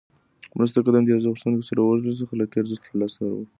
مرسته که د امتياز غوښتنې سره وتړل شي، خپل اخلاقي ارزښت له لاسه ورکوي.